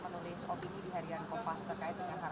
berarti prof yudistujudikan itu bahwa